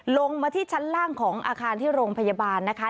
ลงมาที่ชั้นล่างของอาคารที่โรงพยาบาลนะคะ